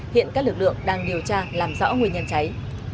hiện các lực lượng đang điều tra làm rõ nguyên nhân cháy